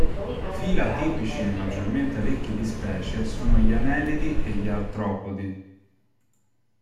Phyla tipici e maggiormente ricchi di specie sono gli Anellidi e gli Artropodi.